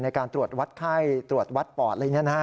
ในการตรวจวัดไข้ตรวจวัดปอดอะไรอย่างนี้นะฮะ